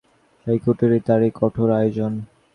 এই কুটিরে তারই কঠোর আয়োজন।